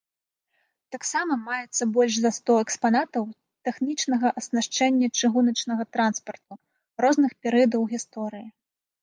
Таксама маецца больш за сто экспанатаў тэхнічнага аснашчэння чыгуначнага транспарту розных перыядаў гісторыі.